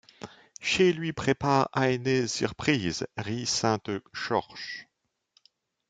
Che lui brebare eine sirbrise, rie Sainte-Chorche…